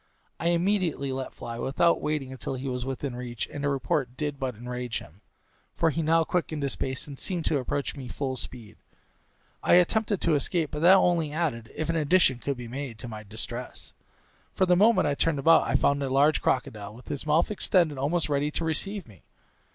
I immediately let fly, without waiting till he was within reach; and the report did but enrage him, for he now quickened his pace and seemed to approach me full speed. I attempted to escape, but that only added (if an addition could be made) to my distress; for the moment I turned about I found a large crocodile, with his mouth extended almost ready to receive me.